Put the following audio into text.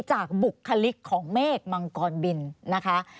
บุคลิกของเมฆมังกรบินนะคะ